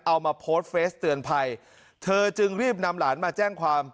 เอามาโพสต์เฟสเตือนภัยเธอจึงรีบนำหลานมาแจ้งความ